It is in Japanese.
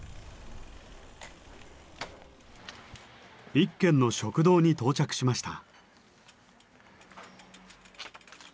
一軒の食堂に到着しました。